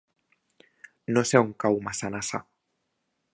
No sé on cau Massanassa.